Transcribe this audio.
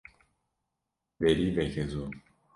Derî veke zû.